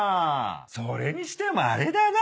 それにしてもあれだな。